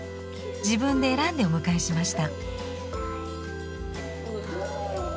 自分で選んでお迎えしました。